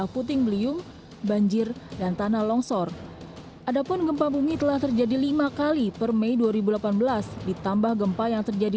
tutomo menilai respons pemerintah terhadap bencana sudah jauh meningkat